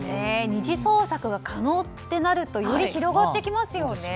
二次創作が可能ってなるとより広がってきますよね。